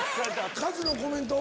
カズのコメント。